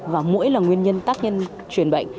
và mũi là nguyên nhân tác nhân chuyển bệnh